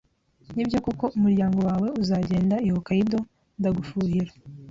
Nibyo koko umuryango wawe uzagenda i Hokkaido? Ndagufuhira